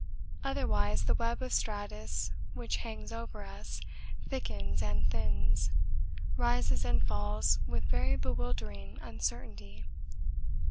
Otherwise the web of stratus which hangs over us thickens and thins, rises and falls with very bewildering uncertainty.